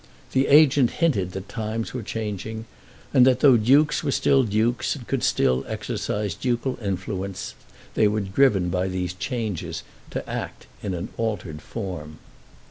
The agent hinted that times were changing, and that though dukes were still dukes, and could still exercise ducal influences, they were driven by these changes to act in an altered form.